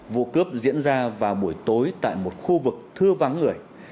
vụ cướp diễn ra vào buổi tối tại một khu vực thưa vắng người